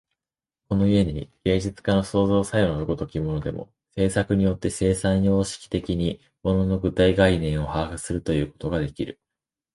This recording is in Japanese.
この故に芸術家の創造作用の如きものでも、制作によって生産様式的に物の具体概念を把握するということができる。